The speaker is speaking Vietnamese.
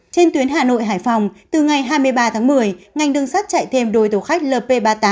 trên tuyến hà nội hải phòng từ ngày hai mươi ba tháng một mươi ngành đường sắt chạy thêm đôi tàu khách lp ba mươi tám